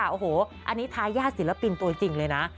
โอ้โหอันนี้ทายาทศิลปินตัวจริงเลยนะ